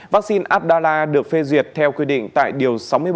vaccine abdalla được phê duyệt theo quy định tại điều sáu mươi bảy